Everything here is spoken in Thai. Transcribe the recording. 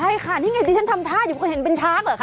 ใช่ค่ะนี่ไงดิฉันทำท่าอยู่ก็เห็นเป็นช้างเหรอคะ